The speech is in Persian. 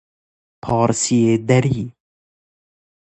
پارسی دری